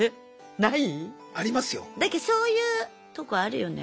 なんかそういうとこあるよね。